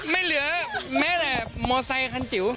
ไม่เหลือแม้แหลว